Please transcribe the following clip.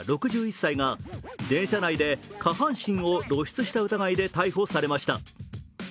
６１歳が電車内で下半身を露出した疑いで逮捕されました。